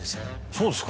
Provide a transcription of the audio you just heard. そうですか。